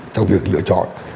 trong việc lựa chọn